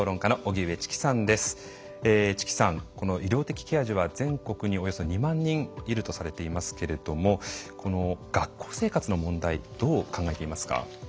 チキさんこの医療的ケア児は全国におよそ２万人いるとされていますけれどもこの学校生活の問題どう考えていますか？